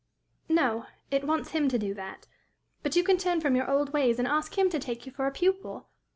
"No; it wants him to do that. But you can turn from your old ways, and ask him to take you for a pupil.